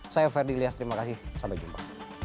saya ferdilias terima kasih sampai jumpa